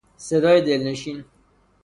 صدای دلنشین